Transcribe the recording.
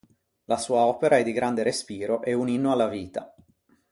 La sua opera è di grande respiro e un inno alla vita.